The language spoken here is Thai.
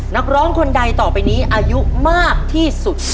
นักร้องคนใดต่อไปนี้อายุมากที่สุด